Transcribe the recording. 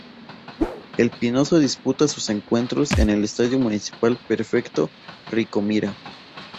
El Pinoso disputa sus encuentros en el Estadio Municipal Perfecto Rico Mira.